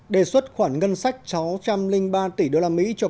đề xuất khoản ngân sách sáu trăm linh ba tỷ usd cho quốc gia